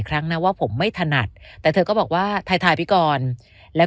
ครั้งนะว่าผมไม่ถนัดแต่เธอก็บอกว่าถ่ายไปก่อนแล้ว